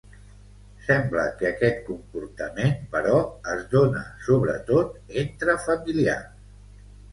Sembla que aquest comportament, però, es dona sobre tot entre familiars.